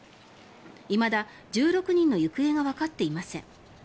いまだ１６人の行方がわかっていません。